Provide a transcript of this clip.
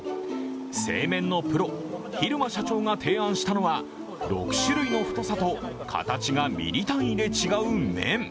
製麺のプロ、比留間社長が提案したのは６種類の太さと形がミリ単位で違う麺。